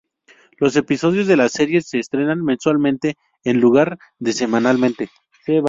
Los episodios de la serie se estrenan mensualmente en lugar de semanalmente.